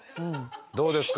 どうですか？